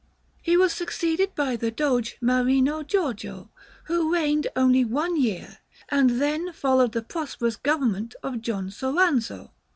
He was succeeded by the Doge Marino Giorgio, who reigned only one year; and then followed the prosperous government of John Soranzo.